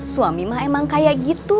suami mah emang kayak gitu